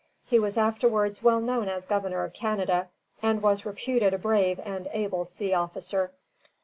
He was afterwards well known as governor of Canada, and was reputed a brave and able sea officer.